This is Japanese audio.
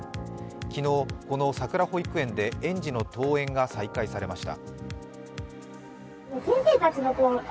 昨日、このさくら保育園で園児の登園が再開されました。